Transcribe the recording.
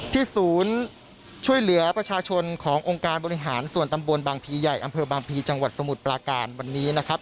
ศูนย์ช่วยเหลือประชาชนขององค์การบริหารส่วนตำบลบางพีใหญ่อำเภอบางพีจังหวัดสมุทรปลาการวันนี้นะครับ